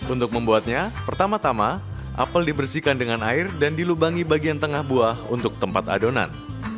untuk membuatnya pertama tama apel dibersihkan dengan air dan dilubangi bagian tengah buah untuk tempat adonan